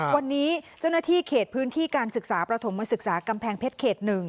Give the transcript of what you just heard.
วันนี้เจ้าหน้าที่เขตพื้นที่การศึกษาประถมศึกษากำแพงเพชรเขต๑